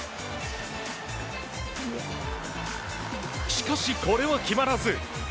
しかしこれは決まらず。